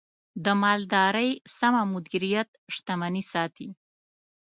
د مالدارۍ سمه مدیریت، شتمني ساتي.